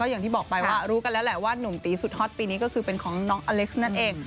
อย่างที่บอกไปว่ารู้กันแล้วแหละว่าหนุ่มตีสุดฮอตปีนี้ก็คือเป็นของน้องอเล็กซ์นั่นเอง